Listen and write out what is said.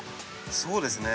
そうですね。